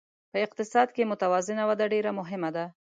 په اقتصاد کې متوازنه وده ډېره مهمه ده.